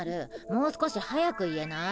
もう少し速く言えない？